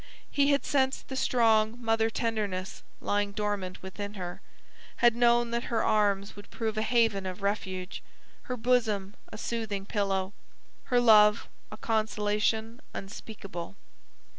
He had sensed the strong mother tenderness lying dormant within her; had known that her arms would prove a haven of refuge, her bosom a soothing pillow, her love a consolation unspeakable.